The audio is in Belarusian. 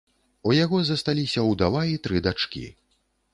У яго засталіся ўдава і тры дачкі.